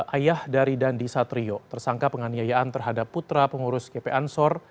ayah dari dandi satrio tersangka penganiayaan terhadap putra pengurus kp ansor